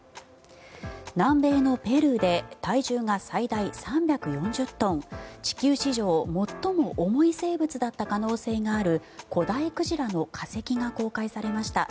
南米のペルーで体重が最大３４０トン地球史上最も重い生物だった可能性がある古代鯨の化石が公開されました。